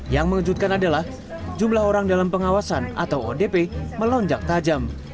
yang mengejutkan adalah jumlah orang dalam pengawasan atau odp melonjak tajam